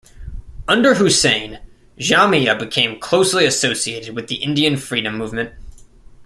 Under Husain, Jamia became closely associated with the Indian freedom movement.